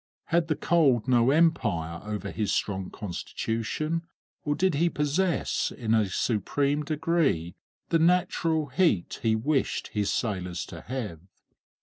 Had the cold no empire over his strong constitution, or did he possess in a supreme degree the natural heat he wished his sailors to have?